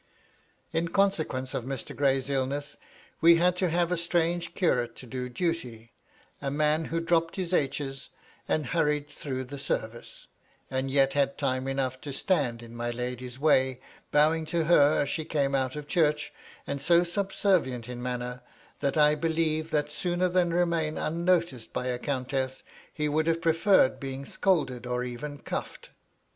In consequence of Mr. Gray's illness, we had to have a strange curate to do duty ; a man who dropped his h's, and hurried through the service, and yet had time enough to stand in my lady's way, bowing to her as she came out of church, and so subservient in manner, that I eUeve that sooner than remain un noticed by a countess, he would have preferred being scolded, or even cuffed.